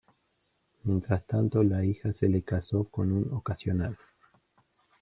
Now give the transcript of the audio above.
Mientras tanto, la hija se le casó con un ocasional.